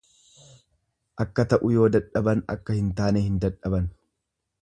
Akka ta'u yoo dadhaban akka hintaane hin dadhaban.